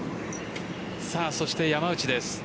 そして、山内です。